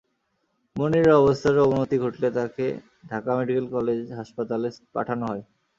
মনিরের অবস্থার অবনতি ঘটলে তাঁকে ঢাকা মেডিকেল কলেজ হাসপাতালে পাঠানো হয়।